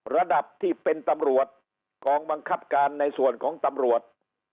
ระดับที่เป็นตำรวจกองบังคับการในส่วนของตำรวจ